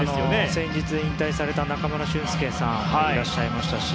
先日、引退された中村俊輔さんもいらっしゃいましたし。